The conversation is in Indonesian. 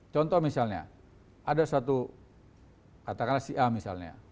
contoh misalnya ada satu katakanlah si a misalnya